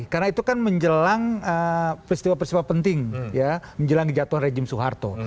karena itu kan menjelang peristiwa peristiwa penting ya menjelang kejatuhan rejim soeharto